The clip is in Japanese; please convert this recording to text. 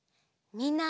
みんな。